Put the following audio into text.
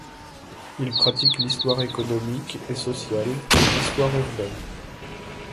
Il pratique l'histoire économique et sociale et l'histoire urbaine.